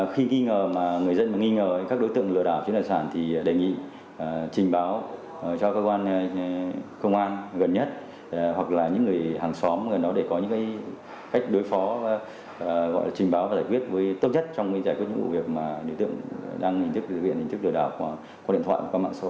khi nghi ngờ mà người dân mà nghi ngờ các đối tượng lừa đảo trên tài sản thì đề nghị trình báo cho cơ quan công an gần nhất hoặc là những người hàng xóm gần đó để có những cái cách đối phó gọi là trình báo và giải quyết với tốt nhất trong giải quyết những vụ việc mà đối tượng đang hình thức lừa đảo qua điện thoại